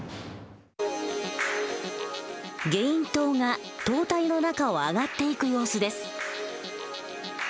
ゲイン塔が塔体の中を上がっていく様子です。